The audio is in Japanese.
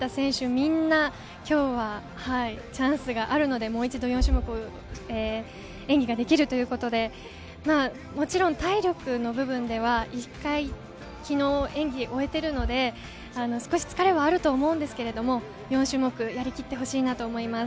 みんなチャンスがあるのでもう一度４種目演技ができるということで体力の部分では一回、昨日、演技を終えているので、少し疲れはあると思うんですけれども、４種目やりきってほしいなと思います。